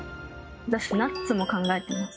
私ナッツも考えてます。